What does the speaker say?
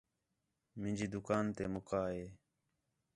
مینجی دُکان تے مکا ہِے